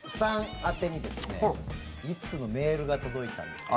宛てに１通のメールが届いたんです。